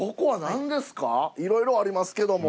いろいろありますけども。